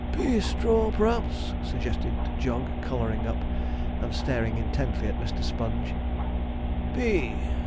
'_Pea_straw, p'raps?' suggested Jog, colouring up, and staring intently at Mr. Sponge.